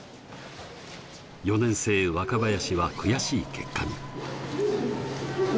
４年生・若林は悔しい結果に。